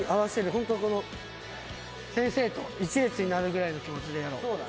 ホントその先生と１列になるぐらいの気持ちでやろう。